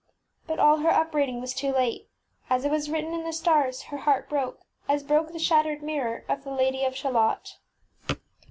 ŌĆÖ But all her upbraiding was too late. As it was written in the stars, her heart broke, as broke the shat tered mirror of the Lady of Shalott.